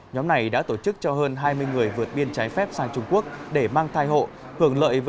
nhóm này đã tổ chức cho hơn hai mươi người vượt biên trái phép sang trung quốc để mang thai hộ hưởng lợi